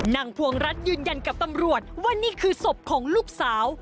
พวงรัฐยืนยันกับตำรวจว่านี่คือศพของลูกสาว